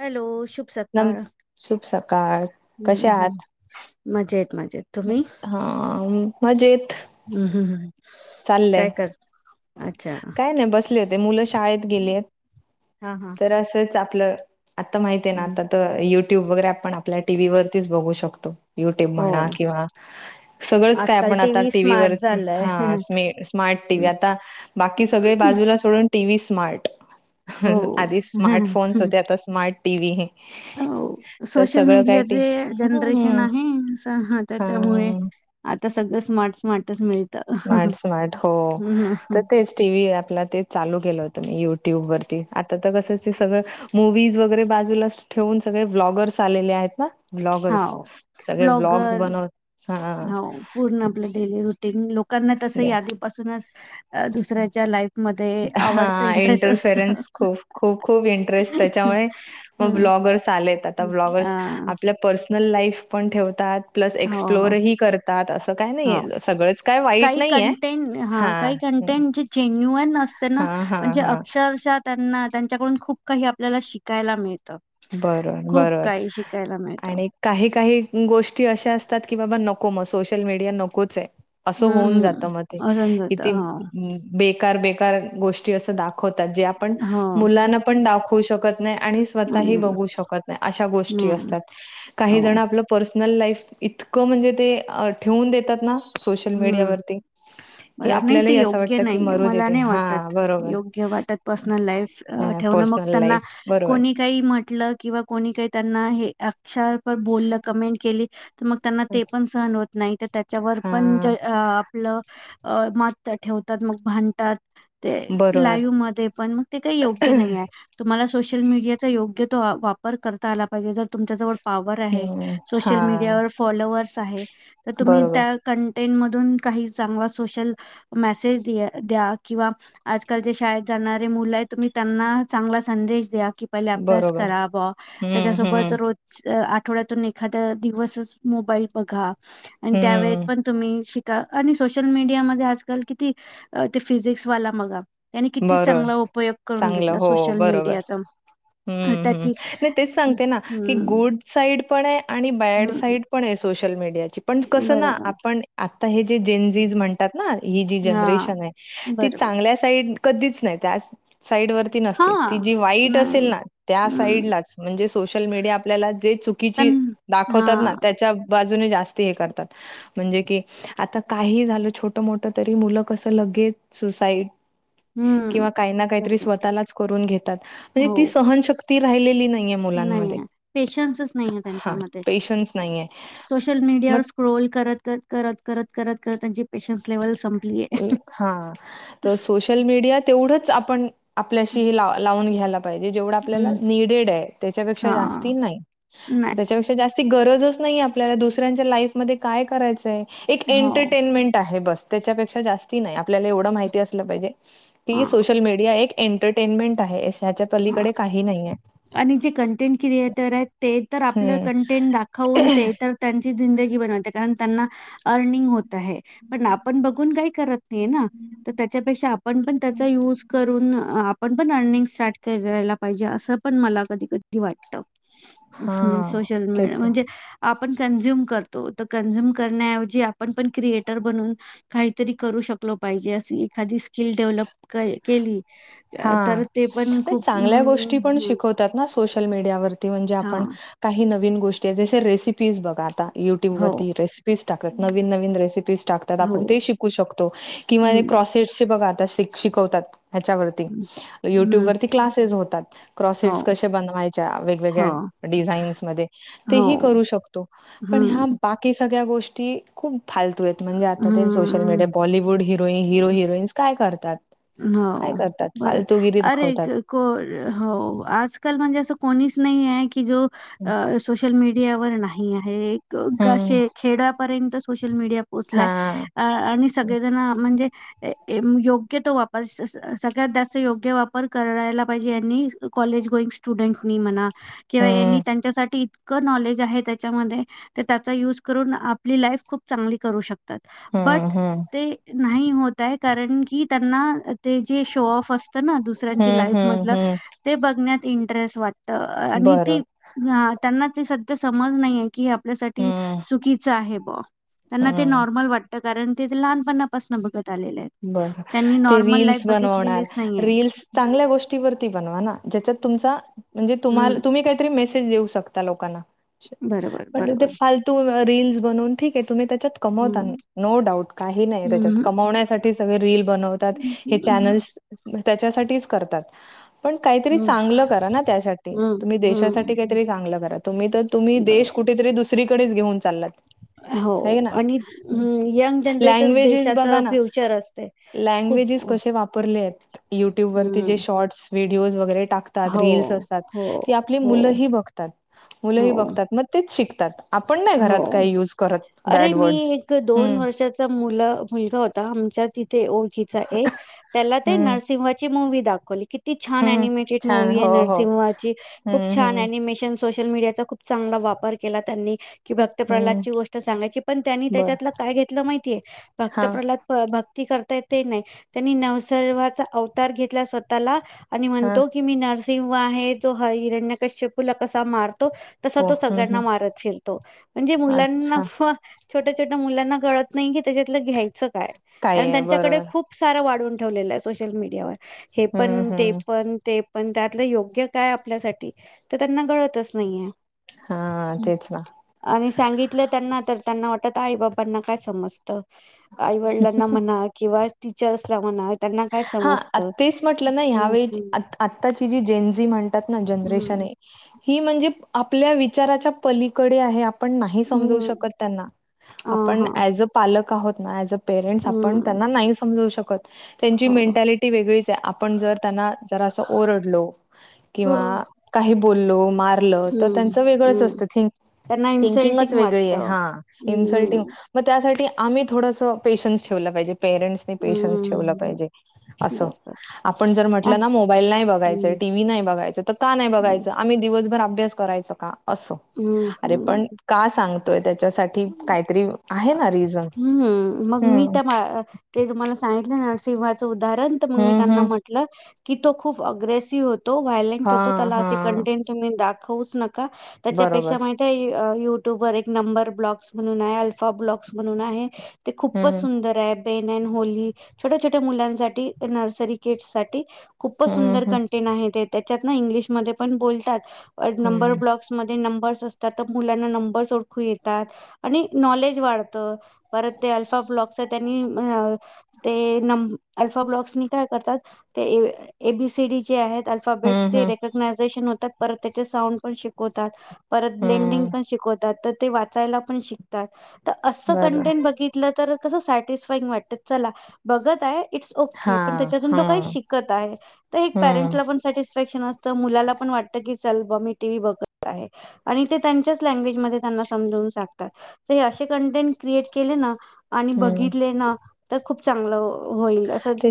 Hello शुभ सकाळ. काय कसशे हम्म हम्म आहात? मजेत मजेत तुम्ही हा मजेत हम्म हम्म हम्म. चाललय काय कर अच्छा सले होते मुलं शाळेत गेले हा हा तर असच आपलं आता माहिते ना हम्म. आता तर युट्यूब वगैरे आपण आपल्या टीव्ही वरतीच बघू शकतो. युट्यूब हो म्हणा किंवा सगळंच काय आजकाल आपण आता टीव्ही टी व्ही स्मार्ट वरती झालाय हा हम्म. स्मार्ट टी व्ही आता बाकी सगळे बाजूला सोडून टी व्ही स्मार्ट हो. आदी स्मार्ट फोन्स होते आता स्मार्ट टी व्ही. ह हो सोशल मीडियाचे जनरेशन आहे असा हा त्याच्यामुळे त सगळं स्मार्ट स्मार्टच मिळतं. स्मार्ट-स्मार्ट हो हम्म तर तेच टी व्ही आपला ते चालू केलं होत मी यु ट्यूब वरती आता तर कसं ते सगळं मूवीज वगैरे बाजूला ठेवून सगळे व्लॉगर्स आलेले आहेत ना. ब्लॉगर्स हाव सगळे ब्लॉग्स ब्लॉगर बनवत हा हो पूर्ण आपलं डेली रू टीन लोकांना तसही आदी पासूनच दुसऱ्याच्या लाईफ हा इटरफेयरेन्स खूप खूप इंटरेस त्याच्यामुळे म ब्लॉग हं. ब्लॉगर्स आलेत आता अ, ब्लॉगर्स आपल्या पर्सनल लाईफ पण ठेवतात प्लस हो, एक्सप्लोरही करतात असं काही नाही हो. सगळंच काय वाईट नाही आहे हा. टेन चे जेन न्यु असते ना हां, म्हणजे हां. अक्षरशः त्यांना त्यांच्याकडून खूप काही आपल्याला शिकायला मिळत बरं बरबर मिळतं. आणि काही काही गोष्टी अशा असतात की बाबा नको मग सोशल मीडिया नकोच आहे असं हं, होऊन जात हं. मग ते असून जातं. किती हो, बे बेकार बेकार गोष्टी अस दाखवतात जे आपण हो. मुलाना पण दाखवू शकत नाही आणि काही नाही, बघू शकत नाही आशा गोष्टी नाही. असतात काही हो. जण आपल पर्सनल पर्सनल लाईफ इतकं म्हणजे ठेवून देतात ना सोशल हं. मीडियावरती की बरोबर नाही ते आपल्यालाही असं योग्य वाटतं, की नाहीे मरू दे मला ते नाही वाटत हां, बरोबर. योग्य वाटत पर्सनल लाईफ हां, ठेव म पर्सनल त्याना लाईफ बरोबर. कोणी काही म्ह किंवा कोणी काही त्यांना हे अक्षरप बोललं कमेंट केली तर मग त्यांना ते पण सहन होत नाही तर त्याच्यावर पण हां, आपलं मत ठेवतात मग भांडतात ते बरोबर. लाईव्ह मध्ये पण म ते काही योग्य नाहीय तुम्हाला सोशल मीडियाचा योग्य तो वापर करता आला पाहिजे जर तुमच्या जवळ पावर आहे हं, सोशल हां. मीडियावर फॉलोवर्स आहे तर तुम्ही बरोबर, त्या कंटेंट मधून काही चांगला सोशल मेसेज द्या किंवा आजकालच्या शाळेत जाणारे मुलं आहेत तुम्ही त्यांना चांगला संदेश द्या. कि पहिले अभ्यास बरोबर. करा बॉ हं, त्याच्यासोबत हं, रोज थोड्यातून एखादा दिवसच मोबाईल बघा आणि त्यावेळेत हं. पण तुम्ही शिका आणि सोशल मीडिया मधे आजकाल किती ते फिजिक्स वाला मगा. त्यांनी किती बरोबर. चांगला उपयोग करून घेतला सोशल मीडियाचा. अ, हम्म हम्म त्याची नाही तेच सांगते ना की हं, गुड साईड पण आहे आणि बॅड हं. साईट पण आहे सोशल मीडियाची पण कसं ना बरोबर. आपण आ हे जे जेनजिज हं. म्हणतात ना ही जी हां, जनरेशन आहे ती बरोबर. चांगल्या साईड कधीच नाही त्या साईड वरती नसते ती हां. जी वाईट असेल नाही. ना त्या हं. साईडलाच म्हणजे सोशल मीडिया आपल्याला जे पण चुकीची दाखवतात हां. ना त्याच्या बाजू जास्त हे करतात म्हणजे की आता काही झालं छोटं मोठं तरी मुलं कसं लगेच सुसाईड हम्म. किंवा काही ना काहीतरी बरोबर. स्वतःलाच करून घेतात म्हणजे ती सहशक्ती राहिलेली नाही. नाहीये पेशन्सच [inaudible] नाहीये हां, त्यांच्यामध्ये. पेशन्स नाहीये. सोशल मीडियावर मग स्क्रोल करत कर -करत -करत करत -करत त्यांची पेशन्स लेव्हल संपली आहे. हा त सोशल मीडिया तेवढच आपण अ आपल्याशी ला- लावून घ्यायला पाहिजे जेवढं आपल्याला हं. निडेड आहे त्याच्यापेक्षा जास्ती हां. नाही. नाही. त्याच्यापेक्षा जास्त गरजच नाही आपल्याला दुसऱ्यांच्या लाईफमध्ये काय करायचंय एक हो. एंटरटेनमेंट आहे बस. त्यांच्यापेक्षा जास्ती नाही आपल्याला एवढ माहिती असलं पाहिजे की हां, सोशल मीडिया एक एंटरटेनमेंट आहे ह्याच्या हां. पलीकडे काही नाहीये. आणि जे कंटेंट क्रिएटर आहेत ते तर आपलं हं. कंटेंट दाखवून ते तर त्यां जिंदगी बनवते कारण त्यांना अर्निंग होत होत आहे, पण आपण बघून काही करत नाहीये ना तर त्याच्यापेक्षा आपण पण त्याचा यूज करून अ आपण पण अर्निंग स्टार्ट करायला पाहिजे असं पण मला कधी -कधी वाटतं. [inaudible] हां, सोशल तेच मीडिया ना. म्हणजे आपण कंझ्युम करतो तर कंझ्युम करण्याऐवजी आपण पण क्रिएटर बनून काहीतरी करू शकलो पाहिजे असली एखादी स्किल डेव्हलप केली- हां, तर ते पण नाही खूप चांगल्या अं, गोष्टी पण हं, शिकवतात ना सोशल मीडियावरती म्हणजे आपण हां. काही नवीन गोष्टीय जस रेसिपीज बघा आता युट्यूब हो, वरती रेसिपीज टाकत नवीन -नवीन रेसिपीज टाकतात आपण हो. ते शिकू शकतो किवा हं, क्रॉसेट चे बघा आता शिक - शिकवतात. ह्याच्यावरती हं, युट्यूब हं. वरती क्लासेस होतात हो, क्रॉसेट्स कशे बनवायच्या वेगवेगळ्या हो, डिझाईन्स मध्ये तेही हो. करू शकतो पण ह्या हं, बाकी सगळ्या गोष्टी खूप फालतूयेत म्हणजे आता ते सोशल मीडिया बॉलिवूड हिरोईन हं. हिरो -हिरोईनस काय करतात. काय हो करतात बर फालतूगिरी अरे दाखवतात. -को -हो आजकाल म्हणजे असं कोणीच नाही. नाहीये की जो सोशल मीडियावर नाही आहे. का हम्म अशे खेड्यापर्यंत सोशल मीडिया हा पोचलाय आ आणि सगळेजण म्हणजे ए -योग्य योग्य तो वापर सगळ्यात जास्त योग्य वापर करायला पाहिजे यांनी कॉलेज गोईंग स्टुडंटनी म्हणा किंवा यांनी हम्म त्यांच्यासाठी इ इतक नॉलेज आहे त्याच्यामध्ये त्याचा युज करून आपली लाईफ खूप चांगली करू शकत तात बट हम्म हम्म ते नाही होतय कारण की त्यांना ते जे शो ऑफ असत ना दुसऱ्यांच हम्म लाईफ मधल हम्म हम्म ते बघण्या इंटरेस्ट वाटत आणि ती बरं त्यांना ते सध्या समज नाहीेय की आपल्यासाठी हम्म चुकीच आहे ब्यो त्यांना ते हम्म नॉर्मल वाटतं कारण ते लहानपणापासून बघत आलेले आहेत बरं त्यांनी ते नॉर्मल लाईफ रील्स बनवणार बघितलेलीच नाहीये. रील्स चांगल्या गोष्टीवरती बनवा ना ज्याच्यात तुमचा म्हणजे तुम्हाला हम्म तुम्ही काहीतरी मेसेज देऊ शकता लोकांना बरोबर [unintelligible] म्हणून ते बरोबर फालतू रिल्स बनवून ठिक आहे तुम्ही त्याच्यात कमवता हम्म नो डाऊट काही नाही त्याच्यात हम्म कमण्यासारख हे सगळे रिल बनतात हे हम्म चॅनल्स त्याच्यासाठीच करतात पण काहीतरी हम्म चांगलं करा ना त्यासाठी हम्म तुम्ही हम्म देशासाठी हम्म काहीतरी चांगलं करा तुम्ही तर तुम्ही देश बरोबर. कुठेतरी दुसरीकडेच घेऊन चालात हो हय ना आणि हं, यंग जनरेशन लँग्वेजेस बघा देशाचं ना फ्युचर असते. खूप लँगवेज्स कशे वापरे आहेत ट्यूब वर जे हम्म शॉर्टस व्हिडिओज वगैरे टाकतात हो, रिल्स असतात हो, कि आपली हो, मुलंही बघतात हो, मुलंही बघतात मग तेच शिकतात आपण नाही हो घरात काही यूज करत अरे बॅड मी वर्ड्स. एक दोन हं, वर्षाचा मुलं मुलगा होता आमच्या तिथ ते ओळखीचा एक त्याला ते हं, नरसिंहाची मूवी दाखवली कि ती छान हं. अनिमेटेड छान. मुूवी हो, आहे हो. नरसिंहा ची खूप हं, छान हं, अनिमेशन सोशल मडियाचा खूप चांगला वापर केला त्यांनी कि भक्त हं. प्रल्हादाची गोष्ट सांगायची पण त्यांनी बरं. त्याच्यातलं काय घेतलं माहितीय भक्त हां, प्रल्हाद ती करता येते ते नाही त्यांनी नवसर्वाचा अवतार घेतला स्वतःला आणि हां. म्हणतो की मी नरसिंह आहे जो ह हिरण्यकश्य फुला कसा मारतो तसा तो हं, सगळ्यांना हं. मारत फिरतो म्हणजे मुलांना अच्छा. छोट्या छोट्या मुलांना त्यांना कळत नाही कि त्याच्यातलं घ्यायचं काय काय कारण आहे. त्याच्याकडं बरोबर. खूप सार वाढवून ठेवलेलं आहे सोशल मीडियावर हे हं, पण ते हं. पण ते पण त्यातलं योग्य काय आपल्यासाठी तर त्यांना कळतच नाहीये हा हं. तेच ना. आणि सांगितलं त्यांना तर त्यांना वाटत आई बाबांना काय समजत आईवडिलांना म्हणा किंवा टीचर्सला म्हणा त्यांना काय हा समजत तेच म्हटलं ना हम्म ह्यावेळी हम्म आताची जी जेनस जी म्हणतात जनरेश हम्म आहे ही म्हणजे आपल्या विचाराच्या पलीकडे आहे पण नाही समजवू हम्म शकत त्यांना अ आपण हा आज अ पालक आहोत ना आजप पेरेंट्स आपण हम्म त्यांना नाही समजवू शकत त्यांची हो मेंटॅलिटी वेगळीच आहे आपण जर त्यांना जरास ओरडलो किंवा काही बो मारलं तर हम्म त्यांचं वेगळंच हम्म असतं थिंक त्यांना थिंकिंगच इन्सल्टिंग वेगळी वाटत आहे हा इन्सल्टिंग हम्म मग त्यासाठी आम्ही थोडं पेशन् ठेवल पाहिजे पेरंट्स पेशन्स ठेवलं हम्म पाहिजे असं बर बर. आपण जर म्हट अ ना मोबाईल नाही बघायच हम्म टीव्ही नाही बघायच का नाही ब हम्म बघायचं आम्ही दिवसभर अभ्यास करायचं का असं अरे हम्म. पण का सांगतोय ते हम्म मग मी हं. त्या ते तुम्हाला सांगितले ना सिंहाच उदाहरण मग मी हं, त्यांना हं. म्हटलं की तो खूप अ्ग्रेसिव व्हालेंट होतो त्या हां, अस हां. कंटेंट तुम्ही दाखवूच नका बरोबर. त्याच्यापेक्षा माहि युट्यूब वर एक नंबर ब्लॉग्स म्हणून आहे अल्फा ब्लॉग्स म्हणून आहे ते खूपच हं, सुंदर आहेत बेनन होली छोट्या छोट्या मुलांसाठी नर्सरी किडस साठी खूपच हं, सुंदर हं. कंटेंन आहे ते त्याच्यात ना इंग्लिशमध्ये पण बोलतात नंबर हं. ब्लॉक्समध्ये नंबर्स असतात तर मुलांना नंबरस ओळखू येतात आणि नॉलेज वाढतं परत ते अल्फा ब्लॉक्स त्यांनी ते नं अल्फा ब्लॉक्सनी काय करतात ते एबीसीडी जे आहेत हं, अल्फाबेटचे हं. रेकग्नायझेशन होतात परत त्याचे साऊंड पण शिकवतात परत ब्लेंडिंग हं. पण शिकवतात तर ते वाचायला पण शिकतात तर असं बरं. कंटेंट बघितलं तर कसं सॅटिस्फाईंग वाटतं चला बघत आहे इट्स ओके. पण हां, त्याच्यातून तो काही हां. शिकत आहे, तर एक हं, पॅरंटला पण तस नसतंय मुलाला पण वाटतं, की चल बा टीव्ही बघत आहे, आणि ते त्यांच्याच लेंग्वेज मध्ये त्यांना समजावून सांग असे कंटेंट क्रिएट केले ना आणि हं. बघितले ना तर खूप चांगलं अ ते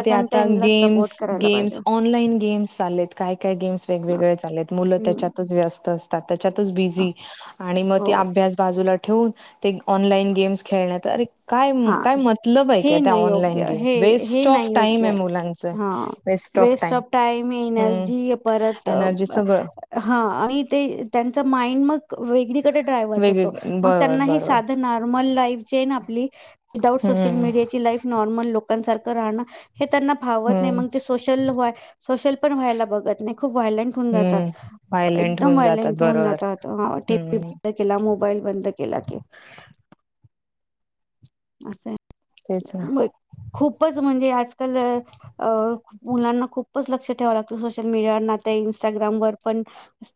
ते आता सपोर्ट गेम्स करायला गेम्स पाहिजे. ऑनलाईन गेम्स चाललेत काय काय गेम्स वेगवेगळे चालेत मुलं हम्म त्याच्याच वस्त अस त्याच्यात बीझी आणि मग ती हो अभ्यास बाजूला ठेऊन ते ऑनलाईन गेम्स खेळण्यात अरे काय हा. काय मतलब आहे का हे त्या नाही ऑनलाईन... योग्य गेम्स हे हे वेस्ट ऑफ नाही टाइम आहे योग्य मुलांच हा वेस्ट ऑफ टाईम हम्म एनर्जी परत.... त एनर्जी सगळं हा आणि ते त्यांच... माईंड मग इकडे ड्रायर्व्हड होतो वेगवेगळ मग बरोबर त्यांना बरोबर साधं नॉर्मल लाईफ.... चेन आपली विथ आऊट सोशल हम्म मीडियाची लाईफ नॉर्मल लोकांसारखं राहण... हे त्यांना भावत नाही हम्म मग ते सोशल व सोशल पण व्हायला बघत नाही खूप व्हायलेंट होऊन जातात... हम्म व्हायलेंट एकदम होऊन जातात व्हायलेंट होऊन बरोबर जातात टीव्ही हम्म बंद केला मोबाईल बंद के... केला की.... अस आहे. तेच ना म्ह खूपच म्हणजे आजकाल अ मुलांना... खूपच लक्ष ठेवा लागत सोशल मीडियावर इंस्टाग्रामवर पण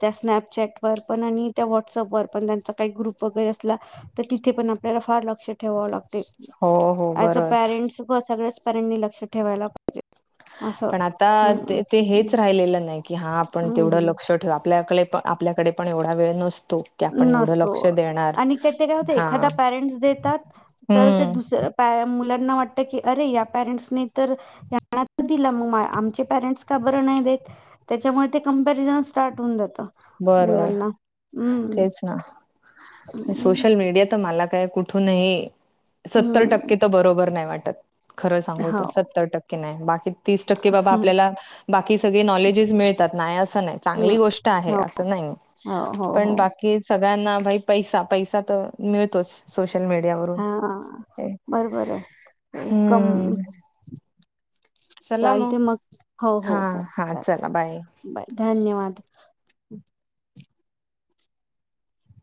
त्या स्नॅपचट वर पण... त्या व्हाटसअप व पण त्यां काही ग्रुप वगैरे असला तर तिथे पण आपल्याला फार लक्ष ठेवा लागत... हो हो ॲज अ बरोबर पॅरेंट्स सगळ्याच पेरेंट्सनी लक्ष ठेवायला... अस.... पण आता ते ते हेच राहिलेलं नाही की हा आपण तेवढं हम्म लक्ष ठेव आपल्याकडे पण... आपल्याकडे पण एवढा वेळ नस... नसतो आणि का ते काय होत हा एखादा पॅरेंटस देतात... तर ते हम्म दुसऱ्या पायामुळे.... त्यांना वाटत की अरे पेरेंट्स तर त्यानं आमचे पेरेंट्स का बरं नाही त्याच्यामुळे कंपनी रिझन स्टार्ट होवून जात बरं तेच ना हम्म सोशल मीडिया तर मला काय कुठूनही सत्तर हम्म टक्के तर बरोबर नाही वाटत खरं सांगूत हो सत्तर टक्के नाही बाकी तीस टक्के बाबा हम्म आपल्याला बाकी सगळे नॉलेजेस मिळे नाही असं नाही चांगली हम्म गोष्ट आहे अस नाही हो हो हो पण हो बाकी सळ्यांना मै पैसा पैसा तर मिळतोच सोशल हा बरोबर आहे ते कम मीडियावरूनम् चालते मग हो हा हो हो हा चालते चला बाय. बाय धन्यवाद